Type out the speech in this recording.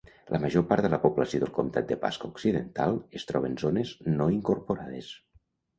La major part de la població del comtat de Pasco occidental es troba en zones no incorporades.